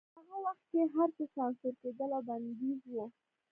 په هغه وخت کې هرڅه سانسور کېدل او بندیز و